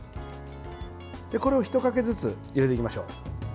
これを一かけずつ入れていきましょう。